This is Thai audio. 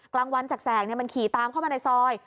กลางวันจากแสงมันขี่ตามเข้ามาในซอย